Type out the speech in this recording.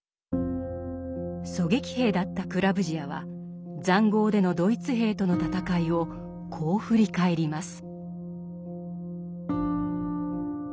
狙撃兵だったクラヴヂヤは塹壕でのドイツ兵との戦いをこう振り返ります。